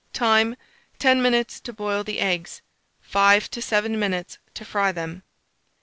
Time. 10 minutes to boil the eggs, 5 to 7 minutes to fry them.